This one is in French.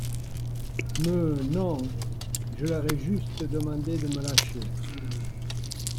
Meuh non. Je leur ai juste demandé de me lâcher.